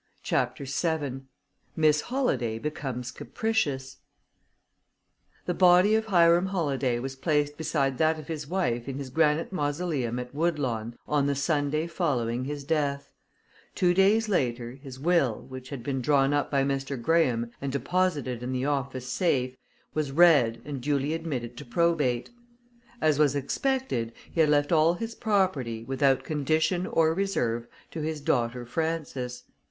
CHAPTER VII Miss Holladay Becomes Capricious The body of Hiram Holladay was placed beside that of his wife in his granite mausoleum at Woodlawn on the Sunday following his death; two days later, his will, which had been drawn up by Mr. Graham and deposited in the office safe, was read and duly admitted to probate. As was expected, he had left all his property, without condition or reserve, to his daughter Frances.